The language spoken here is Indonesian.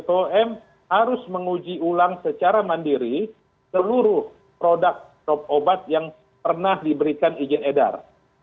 bpom harus menguji ulang secara mandiri seluruh produk obat yang pernah diberikan izin edar